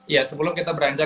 ya sebelum kita beranjak